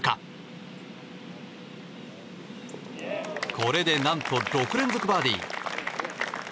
これで何と６連続バーディー。